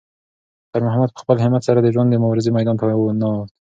خیر محمد په خپل همت سره د ژوند د مبارزې میدان ته ننووت.